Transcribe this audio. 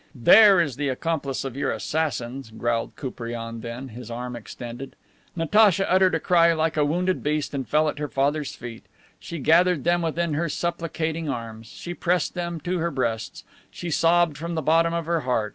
"There is the accomplice of your assassins," growled Koupriane then, his arm extended. Natacha uttered a cry like a wounded beast and fell at her father's feet. She gathered them within her supplicating arms. She pressed them to her breasts. She sobbed from the bottom of her heart.